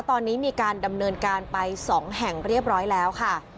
ตอนนี้มีการดำเนินการไป๒แห่งเรียบร้อยแล้วค่ะ